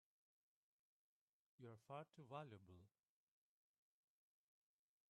You're far too valuable!